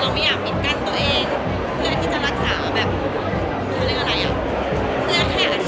มันไม่ดีเค้าเล่าอะไรัอ